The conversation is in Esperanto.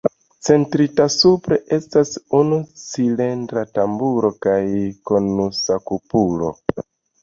Centrita supre estas unu cilindra tamburo kaj konusa kupolo.